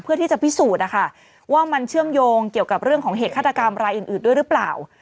เพื่อที่จะพิสูจน์นะคะว่ามันเชื่อมโยงเกี่ยวกับเรื่องของเหตุฆาตกรรมรายอื่นด้วยหรือเปล่า